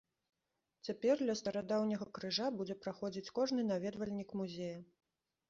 Цяпер ля старадаўняга крыжа будзе праходзіць кожны наведвальнік музея.